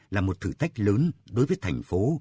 là một thử thách lớn đối với thành phố